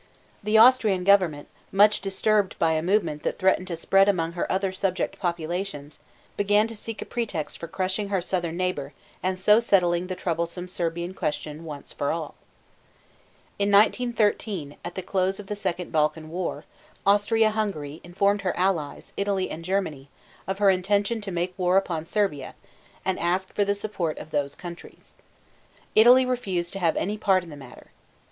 The Austrian government, much disturbed by a movement that threatened to spread among her other subject populations, began to seek a pretext for crushing her southern neighbor and so settling the troublesome Serbian question once for all. In 1913, at the close of the second Balkan war, Austria Hungary informed her allies, Italy and Germany, of her intention to make war upon Serbia, and asked for the support of those countries. Italy refused to have any part in the matter.